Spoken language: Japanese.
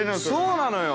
◆そうなのよ。